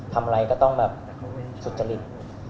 อะไรก็ต้องแบบสุจริต